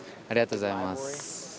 ありがとうございます。